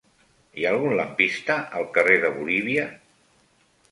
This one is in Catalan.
Hi ha algun lampista al carrer de Bolívia?